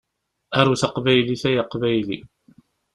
Aru taqbaylit ay aqbayli!